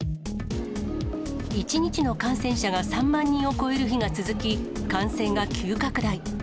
１日の感染者が３万人を超える日が続き、感染が急拡大。